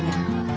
ini ada pelajaran